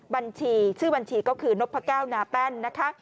บัญชีชื่อบัญชีก็คือนพแก้วนาแป้นนะคะ